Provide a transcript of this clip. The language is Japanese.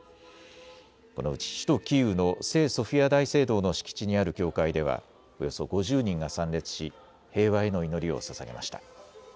このうち首都キーウの聖ソフィア大聖堂の敷地にある教会ではおよそ５０人が参列し平和への祈りをささげました。